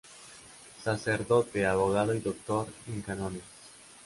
Sacerdote, abogado y doctor en cánones.